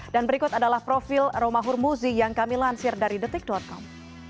dan berikut adalah profil romahur muzi yang kami lansir dari detik com